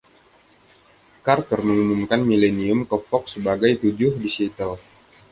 Carter mengumumkan "Milenium" ke Fox sebagai "" Tujuh "di Seattle.